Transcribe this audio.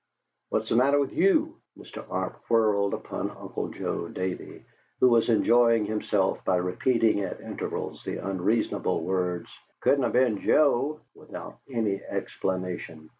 "What's the matter with YOU?" Mr. Arp whirled upon Uncle Joe Davey, who was enjoying himself by repeating at intervals the unreasonable words, "Couldn't of be'n Joe," without any explanation.